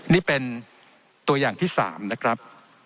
นี่เป็นตัวอย่างที่๓นะครับ